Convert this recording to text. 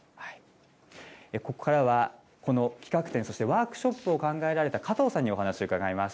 ここからは、この企画展、そしてワークショップを考えられた加藤さんにお話を伺います。